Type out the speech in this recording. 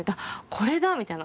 「これだ！」みたいな。